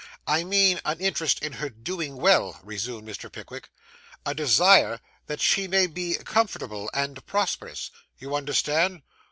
'I mean an interest in her doing well,' resumed Mr. Pickwick; 'a desire that she may be comfortable and prosperous. You understand?